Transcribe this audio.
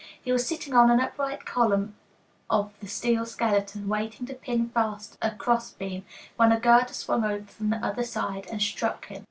He was sitting on an upright column of the steel skeleton, waiting to pin fast a cross beam, when a girder swung over from the other side and struck him.